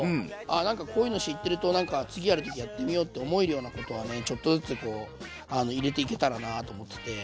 あなんかこういうの知ってるとなんか次やる時やってみようって思えるようなことはねちょっとずつ入れていけたらなと思ってて。